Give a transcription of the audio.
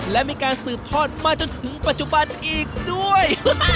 และมีการสืบทอดมาจนถึงปัจจุบันอีกด้วย